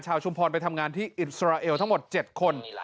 ชุมพรไปทำงานที่อิสราเอลทั้งหมด๗คน